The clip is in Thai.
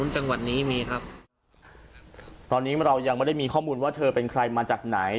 ตอนนี้เรายังไม่ได้มีข้อมูลว่าเธอเป็นใครมาจากไหน